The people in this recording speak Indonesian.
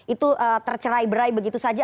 itu tercerai berai begitu saja